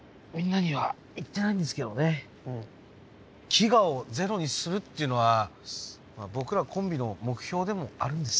飢餓をゼロにするっていうのは僕らコンビの目標でもあるんです。